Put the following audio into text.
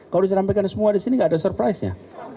kalau disampaikan semua disini nggak ada surprise nya